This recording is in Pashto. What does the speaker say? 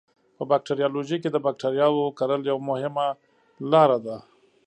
په باکتریالوژي کې د بکټریاوو کرل یوه مهمه لاره ده.